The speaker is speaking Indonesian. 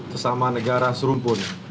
tersama negara serumpun